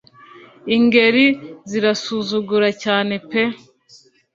Ingeri zirasuzugura cyane pe